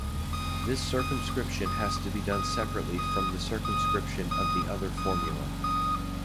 This circumscription has to be done separately from the circumscription of the other formulae.